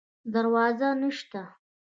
دروازه نشته